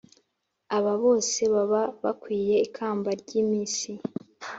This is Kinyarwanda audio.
aba bose baba bakwiye ikamba ryamisi